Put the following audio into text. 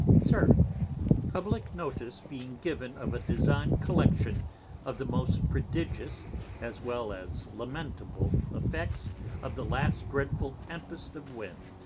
_ SIR, Publick notice being given of a designed Collection of the most Prodigious, as well as lamentable Effects of the last dreadful Tempest of Wind.